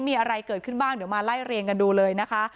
มีอะไรเกิดขึ้นบ้างเดี๋ยวมาไล่เรียงกันดูเลยนะคะ